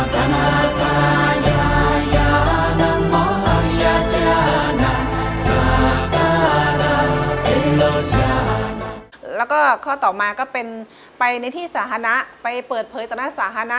แล้วก็ข้อต่อมาก็เป็นไปในที่สาธารณะไปเปิดเผยต่อหน้าสาธารณะ